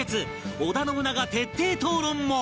織田信長徹底討論も